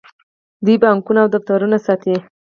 دوی بانکونه او دفترونه ساتي.